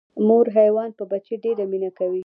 مور حیوان په بچي ډیره مینه کوي